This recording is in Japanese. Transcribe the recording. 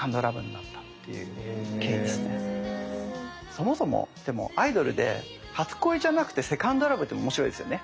そもそもでもアイドルで初恋じゃなくてセカンド・ラブっていうのが面白いですよね。